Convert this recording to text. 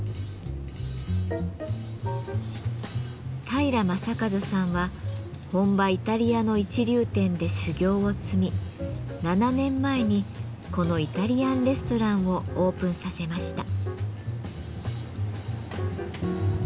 平雅一さんは本場イタリアの一流店で修業を積み７年前にこのイタリアンレストランをオープンさせました。